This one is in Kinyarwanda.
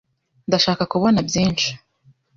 Ndashaka kubona byinshi.